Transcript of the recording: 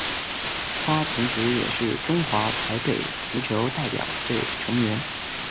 他同时也是中华台北足球代表队成员。